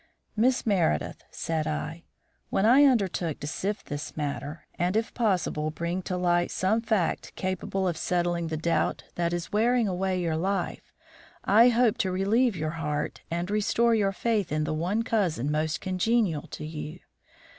"Miss Meredith," said I, "when I undertook to sift this matter, and if possible bring to light some fact capable of settling the doubt that is wearing away your life, I hoped to relieve your heart and restore your faith in the one cousin most congenial to you.